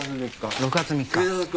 ６月３日。